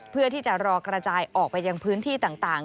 เพื่อที่จะรอกระจายออกไปยังพื้นที่ต่าง